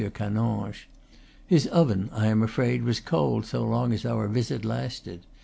Canonge. His oven, I am afraid, was cold so long as our visit lasted.